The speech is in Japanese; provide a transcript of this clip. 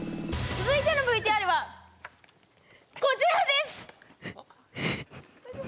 続いてのＶＴＲはこちらです！